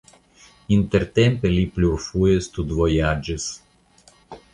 Intertempe li plurfoje studvojaĝis.